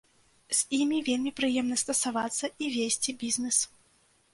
З імі вельмі прыемна стасавацца і весці бізнес.